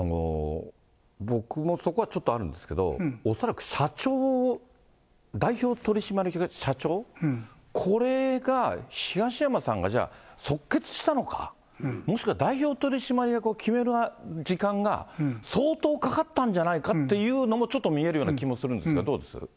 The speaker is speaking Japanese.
僕もそこはちょっとあるんですけど、恐らく、社長を、代表取締役社長、これが、東山さんがじゃあ、即決したのか、もしくは代表取締役を決める時間が相当かかったんじゃないかというのもちょっと見えるような気もするんですが、どうです？